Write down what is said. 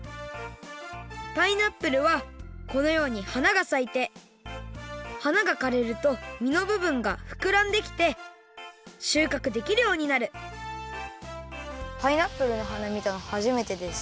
パイナップルはこのようにはながさいてはながかれるとみのぶぶんがふくらんできてしゅうかくできるようになるパイナップルのはなみたのはじめてです。